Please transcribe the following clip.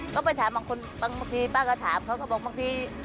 ก็ไปถามบางคนบางทีป้าก็ถามเขาก็บอกบางที